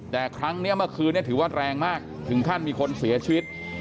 แต่ครั้งนี้เมื่อคืนนี้ถือว่าแรงมากถึงขั้นมีคนเสียชีวิต